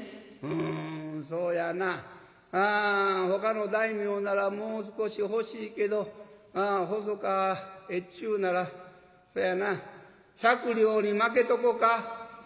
「うんそうやなあほかの大名ならもう少し欲しいけど細川越中ならそやな百両にまけとこか」。